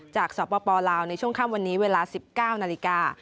สปลาวในช่วงค่ำวันนี้เวลา๑๙นาฬิกา